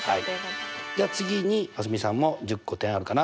じゃあ次に蒼澄さんも１０個点あるかな？